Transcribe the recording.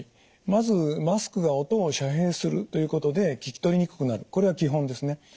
まずマスクが音を遮蔽するということで聞き取りにくくなるこれは基本ですね。